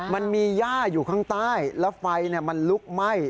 มันมีย่าอยู่ข้างใต้แล้วไฟมันลุกไหม้